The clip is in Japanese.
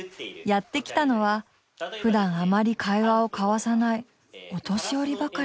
やってきたのは普段あまり会話を交わさないお年寄りばかり。